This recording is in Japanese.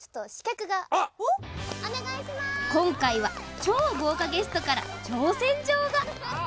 今回は超豪華ゲストから挑戦状が。